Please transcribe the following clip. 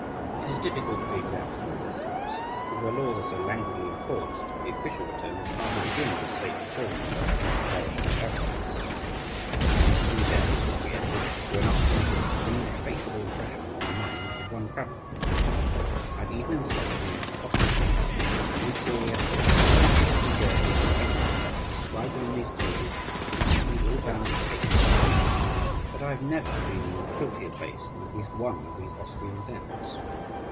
It is difficult to be exact in these estimates, because where laws are so languidly enforced the official returns hardly begin to state the full number of flourishing establishments. These three dens which we entered were enough to make an ineffaceable impression on the mind of one traveller. I have eaten and slept in native hostelries, in the interior, so unspeakably dirty and insanitary that to describe them in these pages would exceed all bounds of taste, but I have never been in a filthier place than at least one of these Austrian dens.